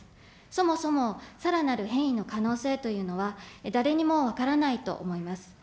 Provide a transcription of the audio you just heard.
そもそもさらなる変異の可能性というのは、誰にも分からないと思います。